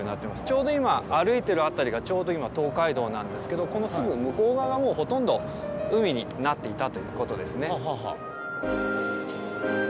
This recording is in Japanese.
ちょうど今歩いてる辺りがちょうど今東海道なんですけどこのすぐ向こう側がもうほとんど海になっていたという事ですね。